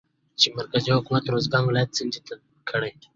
چې مرکزي حکومت روزګان ولايت څنډې ته کړى